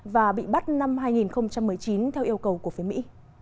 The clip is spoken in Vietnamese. và bị bắt năm hai nghìn một mươi chín theo yêu cầu của phía mỹ